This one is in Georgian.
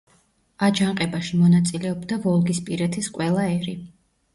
აჯანყებაში მონაწილეობდა ვოლგისპირეთის ყველა ერი.